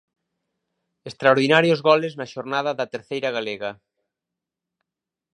Extraordinarios goles na xornada da terceira galega.